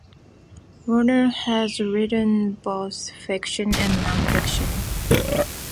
Warner has written both fiction and non-fiction.